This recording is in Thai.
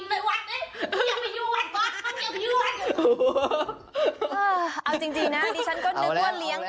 เอาจริงนะดิฉันก็นึกว่าเลี้ยง